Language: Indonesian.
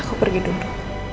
aku pergi dulu